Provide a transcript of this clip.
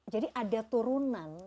jadi ada turunan